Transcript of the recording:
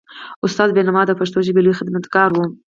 استاد بینوا د پښتو ژبې لوی خدمتګار و.